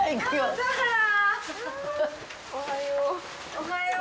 おはよう。